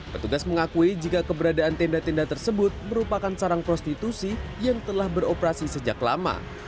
petugas mengakui jika keberadaan tenda tenda tersebut merupakan sarang prostitusi yang telah beroperasi sejak lama